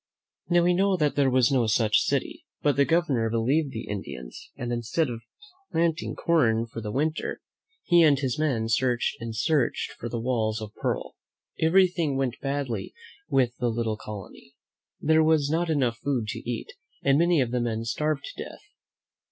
Now, we know that there was no such city; but the Governor believed the Indians, and instead of planting corn for the winter, he and his men searched and searched for the walls of pearl. Everything went badly with the little colony. There was not enough food to eat, and many of the men starved to death.